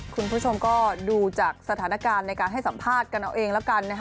คุณผู้ชมก็ดูจากสถานการณ์ในการให้สัมภาษณ์กันเอาเองแล้วกันนะฮะ